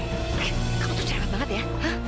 eh kamu tuh cerabat banget ya